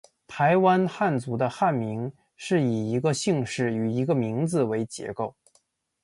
台湾汉族的汉名是以一个姓氏与一个名字为结构。